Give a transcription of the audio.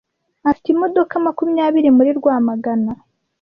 afite imodoka makumyabiri muri Rwamagana,